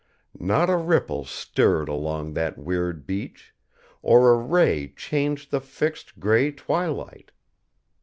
Not a ripple stirred along that weird beach, or a ray changed the fixed gray twilight.